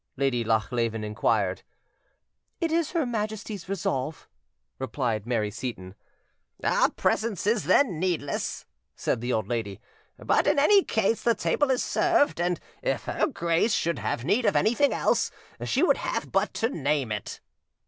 Lady Lochleven inquired. "It is her Majesty's resolve," replied Mary Seyton. "Our presence is then needless," said the old lady; "but in any case the table is served, and if her grace should have need of anything else, she would have but to name it."